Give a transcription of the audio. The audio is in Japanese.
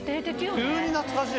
急に懐かしい。